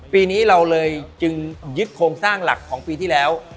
ปีนี้เราเลยจึงยึดโครงสร้างหลักของปีที่แล้ว